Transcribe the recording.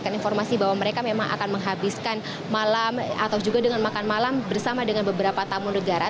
mendapatkan informasi bahwa mereka memang akan menghabiskan malam atau juga dengan makan malam bersama dengan beberapa tamu negara